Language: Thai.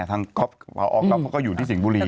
ทั้งครอบครอบครัวเขาก็อยู่ที่สิงบุรี